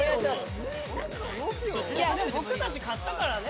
いやでも僕たち勝ったからね